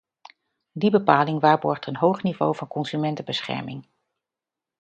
Die bepaling waarborgt een hoog niveau van consumentenbescherming.